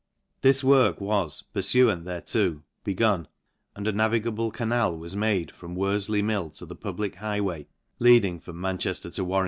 This work was, purfuant thereto, begun, and a navigable. 1; LANCASHIRE. 279 navigable canal was made from Worjley Mill to the public highway leading from Manchefter to War.